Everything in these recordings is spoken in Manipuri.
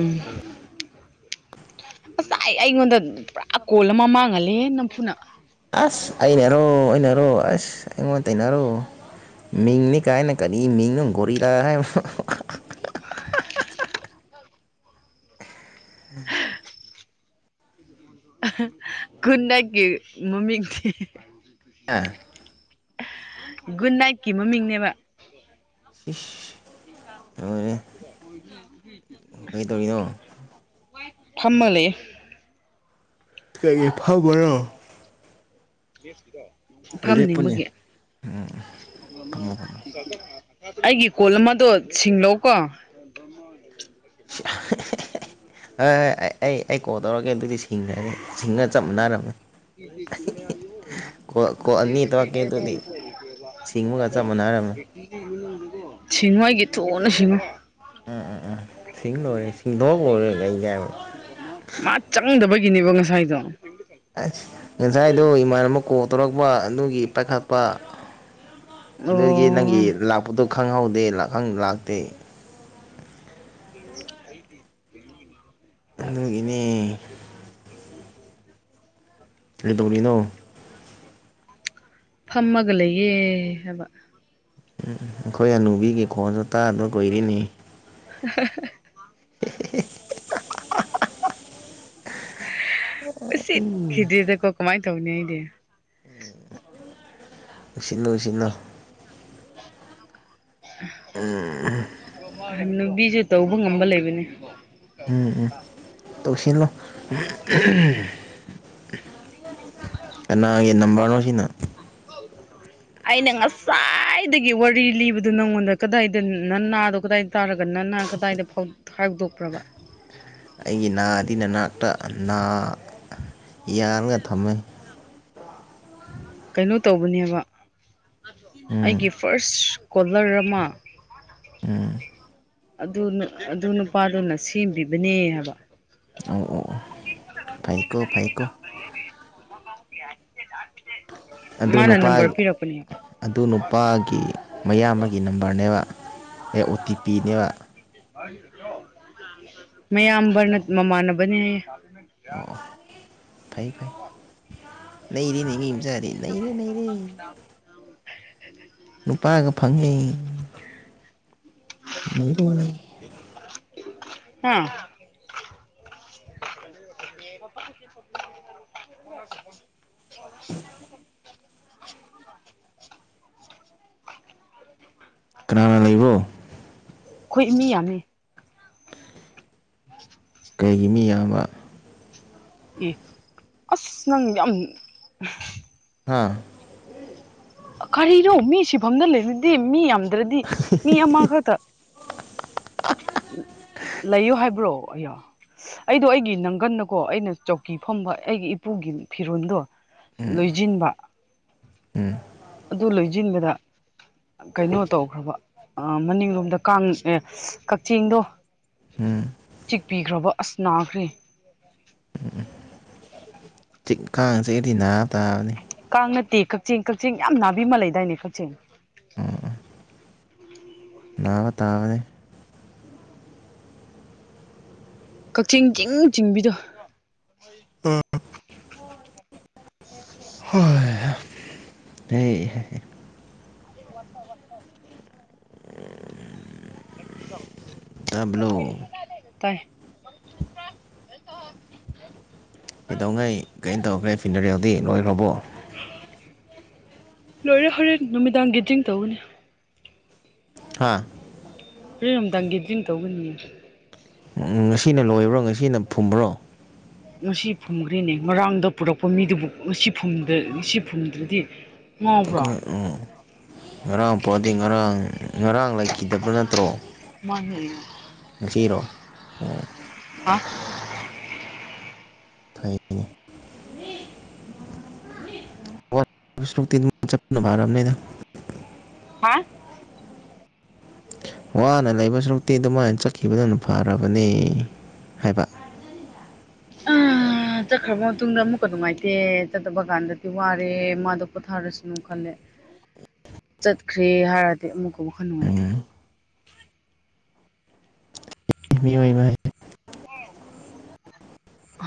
ꯎ ꯉꯁꯥꯏ ꯑꯩꯉꯣꯟꯗ ꯄꯨꯔꯥ ꯑꯀꯣꯜ ꯑꯃ ꯃꯥꯡꯍꯜꯂꯦ ꯅꯝꯐꯨꯅ ꯑꯁ ꯑꯩꯅꯔꯣꯔꯣ ꯑꯁ ꯑꯩꯉꯣꯟꯗ ꯇꯩꯅꯔꯣ ꯃꯤꯡꯅꯤ ꯀꯥꯏꯅ ꯀꯔꯤ ꯃꯤꯡꯅꯣꯒꫭꯔꯤꯔꯥ ꯍꯥꯏꯕ [inaudible] ꯑ ꯍ ꯒꯨꯗꯅꯥꯢꯇꯀꯤ ꯃꯃꯤꯡꯅꯤ ꯑꯥ ꯒꯨꯗ ꯅꯥꯏꯠꯀꯤ ꯃꯃꯤꯡꯅꯦꯕ ꯏꯁ ꯂꯣꯏꯔꯦ ꯀꯩꯗꯧꯔꯤꯅꯣ [unintelligible] ꯐꯝꯃ ꯂꯩꯌꯦ ꯀꯩꯔꯤ ꯐꯝꯕꯅꯣ ꯂꯦꯞꯄꯨꯅꯦ ꯐꯝꯅꯤꯡꯕꯒꯤ ꯐꯝꯃꯣ ꯐꯝꯃꯣ ꯑꯩꯒꯤ ꯀꯣꯜ ꯑꯃꯗꯣ ꯁꯤꯡꯂꯧ ꯀꯣ ꯃ [inaudible] ꯑꯩ ꯑꯩ ꯀꯣꯜ ꯇꯧꯔꯒꯦ ꯑꯗꯨꯗꯤ ꯁꯤ ꯊꯤꯡꯅ ꯁꯤꯡꯒ ꯆꯞ ꯃꯥꯟꯅꯔꯝꯃꯦ [inaudible] ꯀꯣ ꯀꯣ ꯑꯅꯤ ꯏꯠꯇ ꯀꯦꯗꯨꯗꯤ ꯁꯤꯁꯤꯡꯃꯒ ꯆ ꯃꯅꯔꯝ ꯁꯤꯡꯉꯣꯏꯒꯤ ꯊꯨꯅ ꯁꯤꯡꯉꯣ ꯎꯝ ꯎꯝ ꯎꯝ ꯁꯤꯡ ꯂꯔꯦ ꯁꯤꯡꯗꯣꯛ ꯀꯔꯦ ꯂꯩꯖꯕ ꯃꯥ ꯆꯪꯗꯕꯒꯤꯅꯦꯕ ꯉꯁꯥꯏꯗꯣ ꯑꯁ ꯉꯁꯥꯏꯗꯨꯣ ꯏꯃꯥꯟꯅꯕ ꯀꯣꯛ ꯇꯧꯔꯛꯄ ꯑꯗꯨꯒꯤ ꯄꯥꯏꯈꯠꯄ ꯑꯣ ꯑꯗꯨꯗꯒꯤ ꯅꯪꯒꯤ ꯂꯥꯛꯄꯗꯣ ꯈꯪꯍꯧꯗꯦ ꯂꯥꯛꯇꯦ ꯑꯩꯗꯤ [inaudible] ꯑꯗꯨꯒꯤꯅꯦ ꯀꯩꯗꯧꯔꯤꯅꯣ ꯎ [unintelligible] ꯐꯝꯃꯒ ꯂꯩꯌꯦ ꯍꯥꯏꯕ ꯎꯝ ꯑꯩꯈꯣꯏ ꯑꯅꯨꯕꯤꯒꯤ ꯈꯣꯟꯁꯨ ꯇꯥꯗ ꯀꯨꯏꯔꯤꯅꯤ ꯍ ꯍ [inaudible] ꯎꯁꯤꯠꯈꯤꯗ꯭ꯔꯦꯗꯀꯣ ꯀꯃꯥꯏꯅ ꯇꯧꯅꯤ ꯑꯩꯗꯤ ꯎꯁꯤꯂꯣ ꯎꯁꯤꯂꯣ ꯎꯝ ꯅꯨꯕꯤꯁꯨ ꯇꯧꯕ ꯉꯝꯕ ꯂꯩꯕꯅꯦ ꯎꯝ ꯎꯝ ꯇꯧꯁꯤꯜꯂꯣ ꯀꯅꯥꯒꯤ ꯅꯝꯕꯔꯅꯣ ꯁꯤꯅ [unintelligible] ꯑꯩꯅ ꯉꯁꯥꯏꯗꯒꯤ ꯋꯥꯔꯤ ꯂꯤꯕꯗꯨ ꯅꯪꯉꯣꯟꯗ ꯀꯗꯥꯏꯗ ꯅꯅꯥꯗꯣ ꯀꯗꯥꯏꯗ ꯇꯥꯔꯒ ꯅꯅꯥ ꯀꯗꯥꯏꯗ ꯐꯧꯗꯣꯛ ꯈꯧꯗꯣꯛꯈ꯭ꯔꯕ ꯑꯩꯒꯤ ꯅꯥꯗꯤ ꯅꯅꯥꯛꯇ ꯌꯥꯜꯉ ꯊꯝꯃꯤ ꯀꯩꯅꯣ ꯇꯧꯕꯅꯦꯕ ꯎꯝ ꯑꯩꯒꯤ ꯐꯥꯔꯁ ꯀꯣꯂꯔ ꯑꯃ ꯎꯝ ꯑꯗꯨ ꯑꯗꯨ ꯅꯨꯄꯥꯗꯨꯅ ꯁꯦꯝꯕꯤꯕꯅꯦ ꯍꯥꯏꯕ ꯑꯣ ꯑꯣ ꯑꯣ ꯐꯥꯏꯀꯣ ꯐꯥꯏꯀꯣ ꯑꯗꯨ ꯃꯥꯅ ꯅꯨꯄꯥ ꯅꯝꯕꯔ ꯄꯤꯔꯛꯄꯅꯦ ꯑꯗꯨ ꯅꯨꯄꯥꯒꯤ ꯃꯌꯥꯝꯕ ꯅꯝꯕꯔꯅꯦꯕ ꯑꯦ ꯑꯣ ꯇꯤ ꯄꯤꯅꯦꯕ ꯃꯌꯥꯝꯕꯅ ꯃꯃꯥꯟꯅꯕꯅꯦ ꯍꯥꯏꯌꯦ ꯑꯣ ꯐꯩ ꯐꯩ ꯅꯔꯤ ꯅꯉꯝ ꯆꯔꯤ ꯅꯔꯦ ꯅꯔꯦ ꯅꯨꯄꯥꯒ ꯐꯪꯉꯩ ꯂꯩꯔ ꯍꯥꯝ ꯁꯣ ꯑꯣ [inaudible] ꯀꯅꯥꯅ ꯂꯩꯕꯣ ꯑꯩꯈꯣꯏ ꯏ ꯃꯤ ꯌꯥꯅꯤ [inaudible] ꯀꯩꯒꯤ ꯃꯤ ꯌꯥꯝꯕ ꯑꯦ ꯑꯁ ꯅꯪ ꯌꯥꯝ ꯍꯥꯥ ꯀꯔꯤꯅꯣ ꯃꯤ ꯁꯤꯐꯝꯗ ꯂꯩꯔꯗꯤꯦ ꯃꯤ ꯌꯥꯝꯗ꯭ꯔꯗꯤ ꯃꯤ ꯑꯃꯈꯛꯇ ꯂꯩꯌꯣ ꯍꯥꯏꯕ꯭ꯔꯣ ꯑꯌꯣ ꯑꯩꯗꯣ ꯑꯩꯒꯤ ꯅꯪꯒꯟꯅꯀꯣ ꯑꯩꯅ ꯆꯧꯀꯤ ꯐꯝꯕ ꯑꯩꯒꯤ ꯏꯄꯨꯒꯤ ꯐꯤꯔꯣꯜꯗꯣ ꯎꯝ ꯂꯣꯏꯁꯤꯟꯕ ꯎꯝ ꯑꯗꯨ ꯂꯣꯏꯁꯤꯟꯕꯗ ꯀꯩꯅꯣ ꯇꯧꯈ꯭ꯔꯕ ꯃꯅꯤꯡꯂꯣꯝꯗ ꯀꯥꯡ ꯑꯦ ꯀꯛꯆꯤꯡꯗꯣ ꯎꯝ ꯆꯤꯛꯄꯤꯈ꯭ꯔꯕ ꯑꯁ ꯅꯥꯈ꯭ꯔꯦ ꯇꯤꯛ ꯀꯥꯡꯁꯦꯒꯗꯤ ꯅꯥ ꯇꯥꯕꯅꯤ ꯀꯥꯡ ꯅꯠꯇꯦ ꯀꯛꯆꯤꯡ ꯀꯛꯆꯤꯡ ꯌꯥꯝ ꯅꯥꯕꯤꯃ ꯂꯩꯗꯥꯏꯅꯦ ꯀꯛꯆꯤꯡ ꯅꯅꯥꯕ ꯇꯥꯕꯅꯦ ꯀꯛꯆꯤꯡꯒꯤꯡ ꯆꯤꯡꯕꯤꯗꯣ ꯑꯥ ꯍ ꯍ [inaudible] ꯆꯠꯂꯦ ꯇꯕ꯭ꯂꯣ ꯇ ꯀꯩꯗꯧꯉꯩ ꯀꯩꯅ ꯇꯧꯈ꯭ꯔꯦ ꯐꯤꯟꯅꯔꯦꯎꯗꯤ ꯂꯣꯏꯈ꯭ꯔꯕꯣ ꯂꯣꯏꯔꯦ ꯍꯣꯔꯦꯟ ꯅꯨꯃꯤꯗꯥꯡ ꯒꯇ꯭ꯤꯡ ꯇꯧꯅꯤ ꯍꯥꯥ ꯄꯔꯣꯝꯇꯪꯒꯤ ꯗ꯭ꯔꯤꯡ ꯇꯧꯕꯒꯅꯤꯅꯦ ꯉꯁꯤꯅ ꯂꯣꯏꯕ꯭ꯔꯣ ꯉꯁꯤꯅ ꯐꯨꯝꯕ꯭ꯔꯣ ꯉꯁꯤ ꯐꯨꯝꯈ꯭꯭ꯔꯦꯅꯦ ꯉꯔꯥꯡꯗ ꯄꯨꯔꯛꯄ ꯃꯤꯗꯨꯕꯨ ꯉꯁꯤ ꯐ ꯉꯁꯤ ꯐꯨꯝꯗ꯭ꯔꯗꯤ ꯉꯥꯎꯕ꯭ꯔꯣ ꯑꯩꯈꯣꯏ ꯎ ꯉꯔꯥꯡ ꯄꯣꯛꯑꯗꯤ ꯉꯔꯥꯡ ꯉꯔꯥꯡ ꯂꯩꯈꯤꯗꯕ꯭ꯔꯥ ꯅꯠꯇ꯭ꯔꯣ ꯃꯥꯡꯖ ꯅꯨꯡꯁꯤꯔꯣ ꯎꯝ ꯍꯥ ꯐꯩꯅꯤ ꯁꯣꯛ ꯆꯄꯚꯔ ꯑꯃ ꯅꯅ ꯍꯥ ꯋꯥꯅ ꯂꯩꯕ ꯁꯔꯨꯛꯇꯤ ꯑꯗꯨꯃꯥꯏꯅ ꯆꯠꯈꯤꯕꯗꯨꯅ ꯐꯔꯕꯅꯤ ꯍꯥꯏꯕ ꯑꯥ ꯆꯠꯈ꯭ꯔꯕ ꯃꯇꯨꯡꯗ ꯑꯃꯨꯛꯀ ꯅꯨꯡꯉꯥꯏꯇꯦ ꯆꯠꯇꯕ ꯀꯥꯟꯗꯗꯤ ꯋꯥꯔꯦ ꯃꯥꯗꯣ ꯄꯣꯊꯥꯔꯁꯅꯨ ꯈꯜꯂꯦ ꯆꯠꯈ꯭ꯔꯦ ꯍꯥꯏꯔꯗꯤ ꯑꯃꯨꯛꯀ ꯑꯃꯛ ꯈꯔ ꯅꯨꯡꯉꯥꯏꯇꯦ ꯎꯝ ꯃꯤꯑꯣ ꯑꯣꯏꯕ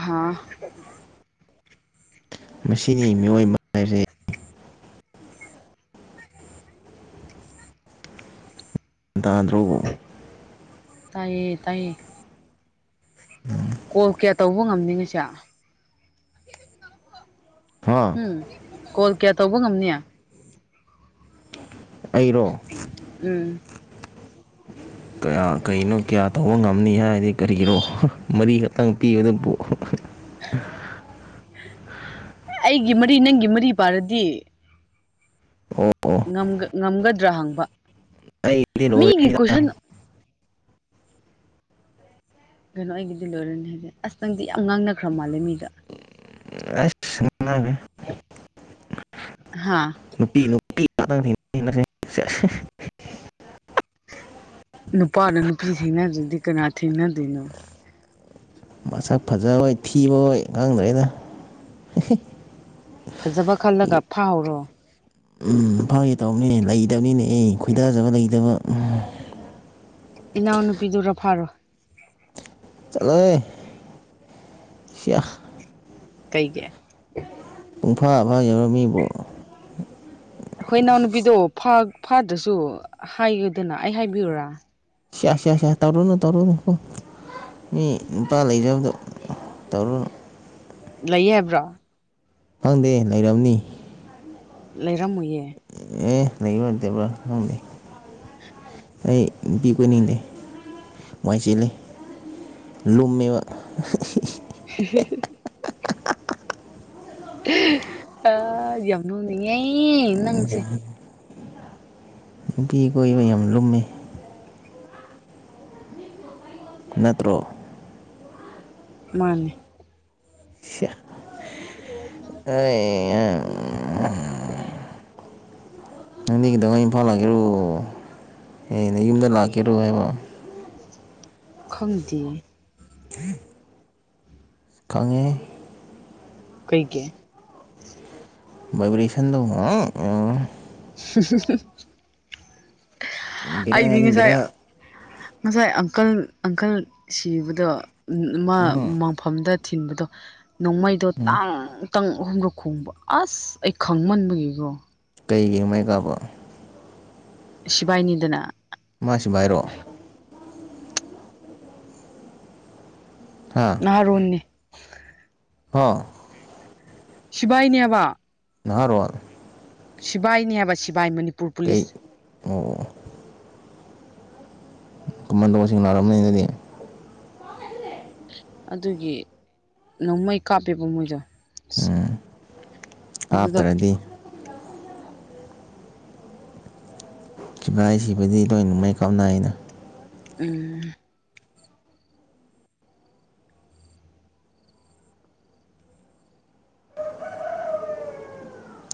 ꯍꯥꯥ [inaudible] ꯃꯁꯤꯅꯤ ꯃꯤꯑꯣꯏ ꯍꯥꯏꯁꯦ ꯟ ꯇꯥꯗ꯭ꯔꯣꯕ ꯇꯥꯏꯌꯦ ꯇꯥꯏꯌꯦ ꯀꯣꯜ ꯀꯌꯥ ꯇꯧꯕ ꯉꯝꯅꯤꯡꯉꯁꯦ ꯍꯥꯥ ꯎꯝ ꯀꯣꯜ ꯀꯌꯥ ꯇꯧꯕ ꯉꯝꯅꯤ ꯑꯩꯔꯣ ꯎꯝ ꯀꯌꯥ ꯀꯩꯅꯣ ꯀꯌꯥ ꯇꯧꯕ ꯉꯝꯅꯤ ꯍꯥꯏꯔꯗꯤ ꯀꯔꯤꯒꯤꯅꯣ ꯃꯔꯤꯈꯛꯇꯪ ꯄꯤꯕ ꯑꯗꯨꯕꯨ ꯑꯩꯒꯤ ꯃꯔꯤ ꯅꯪꯒꯤ ꯃꯔꯤ ꯄꯥꯔꯗꯤ ꯑꯣ ꯍꯣ ꯉꯝꯒꯗ꯭ꯔꯥ ꯍꯪꯕ ꯑꯩꯗꯤ ꯃꯤꯒꯤ ꯀꯣꯏꯁꯟ ꯂꯣꯏꯔꯅꯤꯗ ꯀꯩꯅꯣ ꯑꯩꯒꯤꯗꯤ ꯂꯣꯏꯔꯅꯤ ꯍꯥꯏꯁꯦ ꯑꯁꯇꯪꯗꯤ ꯌꯥꯝ ꯉꯥꯡꯅꯈ꯭ꯔ ꯃꯥꯜꯂꯦ ꯃꯤꯗ ꯁꯅꯒꯦ ꯍꯥꯥ ꯅꯨꯄꯤ ꯅꯨꯄꯤ ꯉꯥꯛꯇꯪ ꯊ ꯅꯨꯄꯥꯅ ꯅꯨꯄꯤ ꯊꯦꯡꯅꯗ꯭ꯔꯗꯤ ꯀꯅꯥ ꯊꯦꯡꯅꯗꯣꯏꯅꯣ ꯃꯁꯛ ꯐꯖꯔꯣꯏ ꯊꯤꯕꯣꯏ ꯉꯥꯡꯗ꯭ꯔꯦꯅ ꯐꯖꯕ ꯈꯜꯂꯒ ꯐꯥꯍꯧꯔꯣ ꯎꯝ ꯐꯥꯒꯦ ꯇꯧꯕꯅꯤ ꯂꯩꯇꯕꯅꯤꯅꯦ ꯑꯦ ꯈꯣꯏꯗꯥꯖꯕ ꯂꯩꯇꯕ ꯎꯝ ꯏꯅꯥꯎꯅꯨꯄꯤꯗꯨꯔꯣ ꯐꯥꯔꯣ ꯆꯠꯂꯣꯏ ꯀꯩꯒꯤ ꯄꯨꯡꯐꯥ ꯐꯥ ꯌꯧꯔꯝꯃꯤꯕꯨꯣ ꯍꯣꯏ ꯏꯅꯥꯎꯅꯨꯄꯤꯗꯣ ꯐꯥꯗ꯭ꯔꯁꯨ ꯍꯥꯏꯒꯗꯅ ꯑꯩ ꯍꯥꯏꯕꯤꯔꯨꯔꯥ ꯁꯤ ꯁꯤꯌꯥꯁꯦ ꯇꯧꯔꯣꯅ ꯇꯧꯔꯣ ꯅꯣ ꯃꯤ ꯅꯨꯄꯥ ꯂꯩꯖꯕꯗꯣ ꯇꯧꯔꯨꯅꯨ ꯂꯩ ꯍꯥꯏꯕ꯭ꯔꯣ ꯈꯪꯗꯦ ꯂꯩꯔꯝꯅꯤ ꯂꯩꯔꯝꯃꯣꯏꯌꯦ ꯑꯦ ꯂꯩꯕꯗꯕ꯭ꯔꯣ ꯂꯪꯅꯦ ꯑꯩ ꯄꯕꯨꯅꯤꯡꯗꯦ ꯃꯥꯏꯁꯤꯦ ꯂꯩ ꯂꯨꯝꯝꯃꯤꯕ [inaudible] ꯑ ꯌꯥꯝ ꯅꯨꯅꯤꯡꯉꯦ ꯅꯪꯁꯦ ꯅꯨꯄꯤ ꯀꯣꯏꯕ ꯌꯥꯝ ꯂꯨꯝꯃꯤ ꯅꯠꯇ꯭ꯔꯣ ꯃꯥꯅꯦ ꯑ ꯑ ꯑ ꯍꯅꯤꯗꯉ ꯏꯝꯐꯥꯜ ꯂꯥꯛꯀꯦꯔꯣ ꯑꯦꯅꯦ ꯌꯨꯝꯗ ꯂꯥꯛꯀꯦꯔꯣ ꯍꯥꯏꯕ ꯈꯪꯗꯦ ꯎꯝ ꯈꯪꯉꯦ ꯀꯩ ꯀꯦ ꯚꯥꯏꯕ꯭ꯔꯦꯁꯟꯗꯣ ꯑꯩꯗꯤ ꯕꯦꯔꯥꯅꯤ ꯉꯁꯥꯏ ꯕꯦꯔꯥ ꯉꯁꯥꯏ ꯑꯪꯀꯜ ꯑꯪꯀꯜ ꯁꯤꯕꯗꯣ ꯃꯥ ꯃꯪꯐꯝꯗ ꯊꯤꯟꯕꯗꯣ ꯅꯣꯡꯃꯩꯗꯣ ꯇꯥꯡ ꯈꯤꯇꯪ ꯑꯍꯨꯝꯂꯛ ꯈꯣꯡꯕ ꯑꯁ ꯑꯩ ꯈꯪꯃꯟꯕꯒꯤꯀꯣ ꯀꯩꯒꯤ ꯃꯩ ꯀꯥꯕꯣ ꯁꯤꯕꯥꯏꯅꯤꯗꯅ ꯃꯥ ꯁꯤꯐꯥꯏꯔꯣ ꯍꯥ ꯑꯥꯔꯣꯟꯅꯤ ꯍꯥꯥ ꯁꯤꯕꯥꯏꯅꯦꯕ ꯅꯍꯥꯔꯣꯜ ꯁꯤꯕꯥꯏꯅꯤ ꯍꯥꯏꯕ ꯁꯤꯕꯥꯏ ꯃꯅꯤꯄꯨꯔ ꯄꯨꯂꯤꯁ ꯫ ꯑꯣ ꯑꯣ ꯀꯃꯟꯗꯣꯡꯁꯤꯡ ꯅꯥꯔꯔꯕꯅꯤꯗꯨꯗꯤ ꯑꯗꯨꯒꯤ ꯅꯣꯡꯃꯩ ꯀꯥꯞꯄꯦꯕ ꯃꯣꯏꯗꯣ ꯫ [unintelligible] ꯑꯗꯨꯗ ꯀꯥꯞꯇ꯭ꯔꯗꯤ ꯁꯤꯐꯥꯏ ꯁꯤꯕꯗꯤ ꯂꯣꯏ ꯅꯨꯡꯃꯩ ꯀꯥꯞꯅꯩꯏ ꯑꯩꯅ ꯎꯝ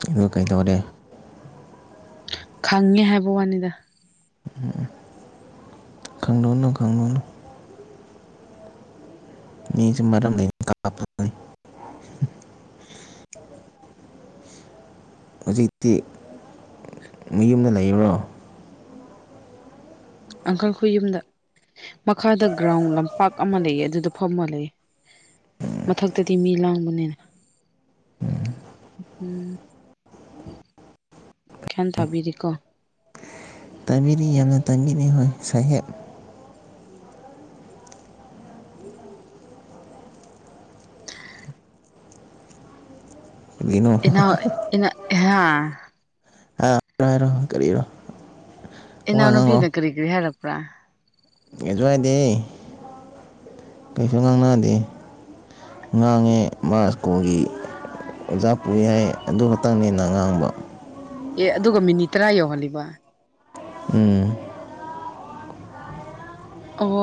ꯑꯗꯨꯒ ꯀꯩꯗꯧꯔꯦ ꯈꯪꯉꯦ ꯍꯥꯏꯕ ꯋꯥꯅꯤꯗ ꯎꯝ ꯈꯪꯉꯨꯅꯨ ꯈꯪꯉꯨꯅꯨ ꯃꯤꯁꯨ ꯃꯔꯝ ꯂꯩꯅ ꯀꯥꯞ [unintelligible] ꯍꯧꯖꯤꯛꯇꯤ ꯃꯌꯨꯝꯗ ꯂꯩꯕ꯭ꯔꯣ ꯑꯪꯀꯜ ꯈꯣꯏ ꯌꯨꯝꯗ ꯃꯈꯥꯗ ꯒ꯭ꯔꯥꯎꯟ ꯂꯝꯄꯥꯛ ꯑꯃ ꯂꯩꯌꯦ ꯑꯗꯨꯗ ꯐꯝꯃ ꯂꯩꯌꯦ ꯃꯊꯛꯇꯗꯤ ꯃꯤ ꯂꯥꯡꯕꯅꯤꯅ ꯎꯝ ꯒꯌꯥꯟ ꯇꯥꯕꯤꯔꯤꯀꯣ ꯫ ꯇꯥꯕꯤꯔꯤ ꯌꯥꯝꯅ ꯇꯥꯕꯤꯔꯤ ꯍꯣꯏ ꯁꯥꯍꯦꯞ ꯀꯔꯤꯅꯣ ꯏꯅꯥ ꯏꯅꯥ ꯍꯥ ꯥ ꯍꯥꯏꯔꯣ ꯀꯔꯤꯔꯣ ꯋꯥ ꯏꯅꯥꯎꯅ ꯉꯥꯡꯂꯛꯑꯣ ꯅꯨꯄꯤꯅ ꯀꯔꯤ ꯀꯔꯤ ꯍꯥꯏꯔꯛꯄ꯭ꯔꯥ ꯀꯩꯁꯨ ꯍꯥꯏꯗꯦ ꯀꯩꯁꯨ ꯉꯥꯡꯗꯅꯕ ꯫ ꯉꯥꯡꯉꯦ ꯃꯥꯁꯀꯣꯒꯤ ꯑꯣꯖꯥ ꯄꯨꯔꯤ ꯍꯥꯏ ꯑꯗꯨ ꯈꯛꯇꯪꯅꯤꯅ ꯉꯥꯡꯕ ꯑꯦ ꯑꯗꯨꯒ ꯃꯤꯅꯤꯠ ꯇꯔꯥ ꯌꯧꯍꯜꯂꯤꯕ ꯫ ꯎꯝ ꯑꯣ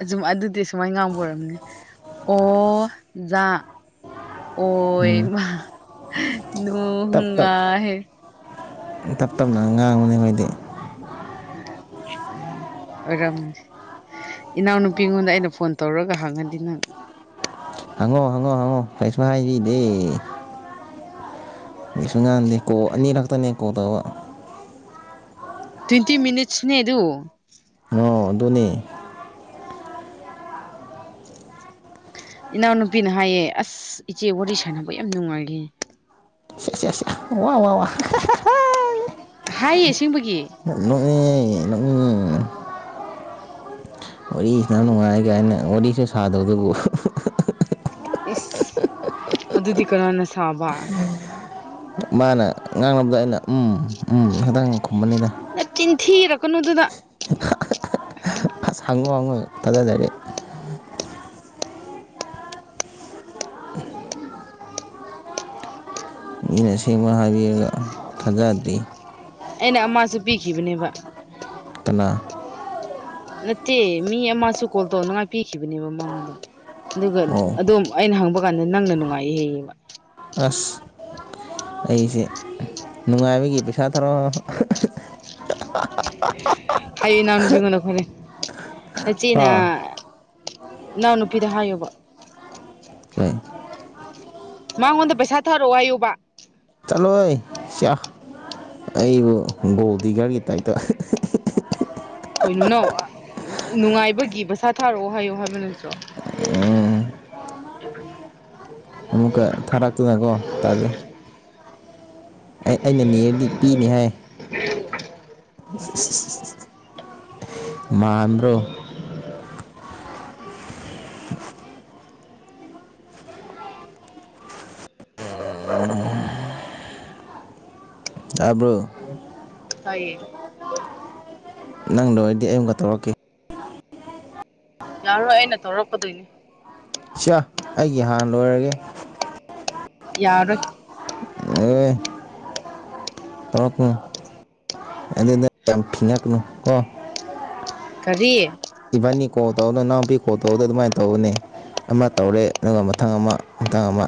ꯑꯗꯨꯨꯝ ꯑꯗꯨꯗꯤ ꯁꯨꯃꯥꯏꯅ ꯉꯥꯡꯕ ꯑꯣꯏꯔꯝꯅꯤ ꯑꯣꯖꯥ ꯑꯣ ꯎꯝ ꯏꯃꯥ ꯇꯞ ꯇꯞ ꯅꯨꯡꯉꯥꯏꯍꯦ ꯇꯞ ꯇꯞꯅ ꯉꯥꯡꯕꯅꯤ ꯑꯩꯈꯣꯏꯗꯤ [inaudible] ꯑꯣꯏꯔꯝ ꯏꯅꯥꯎꯅꯨꯄꯤꯉꯣꯟꯗ ꯑꯩꯅ ꯐꯣꯟ ꯇꯧꯔꯒ ꯍꯪꯉꯗꯤ ꯅꯪ ꯍꯪꯉꯣ ꯍꯪꯉꯣ ꯍꯪꯉꯣ ꯀꯩꯁꯨ ꯍꯥꯏꯕꯤꯗꯦ ꯌꯦꯁꯨ ꯉꯥꯟꯗꯦꯀꯣ ꯑꯅꯤꯔꯛꯇꯅꯦ ꯀꯣꯜ ꯇꯧꯕ ꯇ꯭ꯋꯦꯟꯇꯤ ꯃꯤꯅꯤꯠꯁꯅꯦ ꯑꯗꯨ ꯑꯣ ꯑꯗꯨꯅꯤ ꯏꯅꯥꯎꯅꯨꯄꯤꯅ ꯍꯥꯏꯌꯦ ꯑꯁ ꯏꯆꯦ ꯋꯥꯔꯤ ꯁꯥꯟꯅꯕ ꯌꯥꯝ ꯅꯨꯡꯉꯥꯏꯈꯤ [unintelligible] ꯍꯥꯏꯌꯦ ꯑꯁꯦꯡꯕꯒꯤ ꯅꯣꯛꯅꯤꯡꯏ ꯅꯣꯛꯅꯤꯡꯏ ꯋꯥꯔꯤ ꯁꯥꯟꯅꯩ ꯅꯨꯡꯉꯥꯏ ꯀꯥꯏꯅ ꯋꯥꯔꯤꯁꯨ ꯁꯥꯗꯕꯗꯨꯕꯨ ꯏꯁ ꯑꯗꯨꯗꯤ ꯀꯅꯥꯅ ꯁꯥꯕ ꯃꯥꯅ ꯉꯥꯡꯅꯕꯗ ꯑꯩꯅ ꯎꯝ ꯎꯝ ꯈꯛꯇꯪ ꯈꯨꯝꯕꯅꯤꯗ ꯅꯥꯆꯤꯟꯊꯤꯔꯛꯀꯅꯨꯗꯨꯗ ꯑꯁ ꯍꯪꯉꯣ ꯍꯦꯉꯣ ꯊꯥꯖꯗ꯭ꯔꯗꯤ ꯫ ꯃꯤꯅ ꯑꯁꯦꯡꯕ ꯍꯥꯏꯕꯤꯔꯒ ꯊꯥꯖꯗꯦ ꯑꯩꯅ ꯑꯃꯁꯨ ꯄꯤꯈꯤꯕꯅꯦꯕ ꯫ ꯀꯅꯥ ꯅꯠꯇꯦ ꯃꯤ ꯑꯃꯁꯨ ꯀꯣꯜ ꯇꯧꯅꯤꯉꯥꯏ ꯄꯤꯈꯤꯕꯅꯦꯕ ꯃꯉꯣꯟꯗ ꯑꯗꯨꯒ ꯑꯣ ꯑꯗꯨꯝ ꯫ ꯑꯩꯅ ꯍꯪꯕ ꯀꯥꯟꯗ ꯅꯪꯅ ꯅꯨꯡꯉꯥꯏꯌꯦ ꯍꯩꯕ ꯑꯁ ꯑꯩꯁꯦ ꯅꯨꯡꯉꯥꯏꯕꯒꯤ ꯄꯩꯁꯥ ꯊꯧꯔ ꯍꯥꯏꯌꯨ ꯏꯅꯥꯎꯅꯨꯄꯤꯉꯣꯟꯗ ꯈꯣꯠꯂꯦ ꯅꯆꯦꯅ ꯍꯥ ꯏꯅꯥꯎ ꯅꯨꯄꯤꯗ ꯍꯥꯏꯌꯣꯕ ꯀꯩ ꯃꯉꯣꯟꯗ ꯄꯩꯁꯥ ꯊꯥꯔꯛꯑꯣ ꯍꯥꯏꯌꯨꯕ ꯫ ꯆꯠꯂꯣꯍꯦ ꯑꯩꯕꯨ ꯒꯣꯜꯗꯤꯒꯔꯒꯤ ꯇꯥꯏꯇ ꯫ ꯀꯩꯅꯣ ꯅꯨꯡꯉꯥꯏꯕꯒꯤ ꯄꯩꯁꯥ ꯊꯥꯔꯛꯑꯣ ꯍꯥꯏꯌꯣ ꯍꯥꯏꯕ ꯅꯠꯇ꯭ꯔꯣ ꯫ ꯎꯝ ꯑꯃꯨꯛꯀ ꯊꯥꯔꯛꯇꯨꯅꯀꯣ ꯇꯜꯂꯤ ꯑꯩ ꯑꯩꯅ ꯅꯤꯔꯗꯤ ꯄꯤꯅꯤ ꯍꯥꯏ [inaudible] [unintelligible] ꯃꯥꯟꯕ꯭ꯔꯣ [inaudible] ꯇꯥꯕ꯭ꯔꯣ ꯇꯥꯏꯌꯦ ꯅꯪ ꯂꯣꯏꯔꯗꯤ ꯑꯩ ꯃꯨꯛꯀ ꯇꯧꯔꯛꯀꯦ ꯌꯥꯔꯣꯏ ꯑꯩꯅ ꯇꯧꯔꯛꯀꯗꯣꯏꯅꯤ ꯆꯥ ꯑꯩꯒꯤ ꯍꯥꯟꯅ ꯂꯣꯏꯔꯒꯦ ꯫ ꯌꯥꯔꯣꯏ [unintelligible] ꯇꯧꯔꯛꯀꯅꯨ ꯑꯗꯨꯗ ꯌꯥꯝ ꯊꯤꯡꯉꯛꯅꯨ ꯀꯣ ꯀꯔꯤ ꯏꯕꯥꯅꯤ ꯀꯣꯜ ꯇꯧꯕꯗꯣ ꯅꯅꯥꯎꯄꯤ ꯀꯣꯜ ꯇꯧꯗꯣ ꯑꯗꯨꯃꯥꯏꯅ ꯇꯧꯅꯦ ꯑꯃ ꯇꯧꯔꯦ ꯑꯗꯨꯒ ꯃꯊꯪ ꯑꯃ ꯃꯊꯪ ꯑꯃ